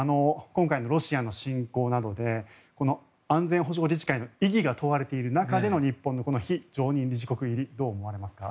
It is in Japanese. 今回のロシアの侵攻などでこの安全保障理事会の意義が問われている中での日本の非常任理事国入りどう思われますか。